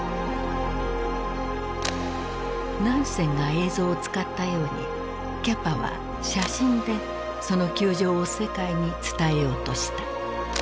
ナンセンが映像を使ったようにキャパは写真でその窮状を世界に伝えようとした。